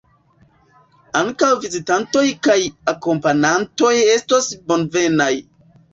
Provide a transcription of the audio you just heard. Ankaŭ vizitantoj kaj akompanantoj estos bonvenaj.